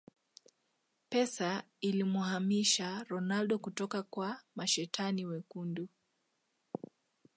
Pesa ilimuhamisha Ronaldo kutoka kwa mashetani wekundu